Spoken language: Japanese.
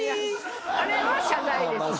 あれは謝罪です。